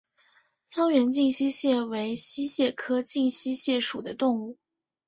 沧源近溪蟹为溪蟹科近溪蟹属的动物。